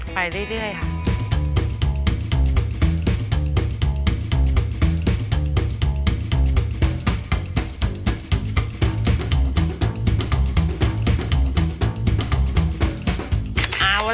ไปเรื่อยค่ะ